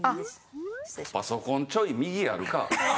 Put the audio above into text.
「パソコンちょい右」あるか。